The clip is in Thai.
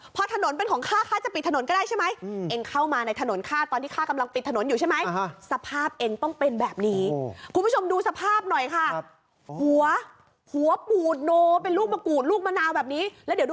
เพราะถนนเป็นของข้าแหวนกลุ่มแล้วกดติดถนนก็ได้ใช่ไหม